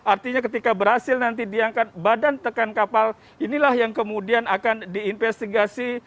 artinya ketika berhasil nanti diangkat badan tekan kapal inilah yang kemudian akan diinvestigasi